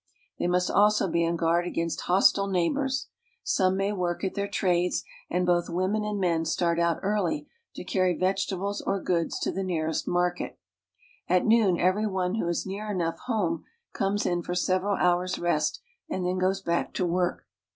They must also be on guard against hostile neighbors. Some may work at their trades, and both women and men start out early to carry vegetables or goods to the nearest market. At noon every one who is near enough home comes io for several hours' rest and then goes back to work.